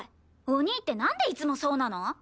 お兄ってなんでいつもそうなの？